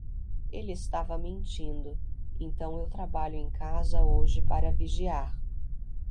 Ele estava mentindo, então eu trabalho em casa hoje para vigiar.